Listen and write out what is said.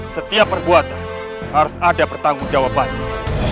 setiap perbuatan harus ada pertanggung jawabannya